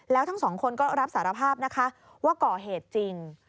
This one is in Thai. แล้วทั้งสองคนก็รับสารภาพนะคะว่าก่อเหตุจริง